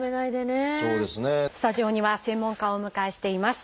スタジオには専門家をお迎えしています。